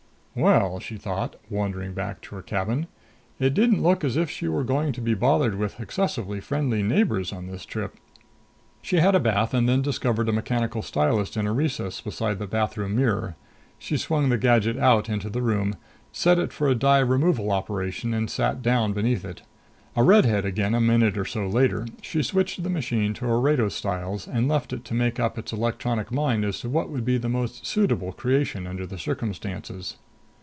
Well, she thought, wandering back to her cabin, it didn't look as if she were going to be bothered with excessively friendly neighbors on this trip. She had a bath and then discovered a mechanical stylist in a recess beside the bathroom mirror. She swung the gadget out into the room, set it for a dye removal operation and sat down beneath it. A redhead again a minute or so later, she switched the machine to Orado styles and left it to make up its electronic mind as to what would be the most suitable creation under the circumstances.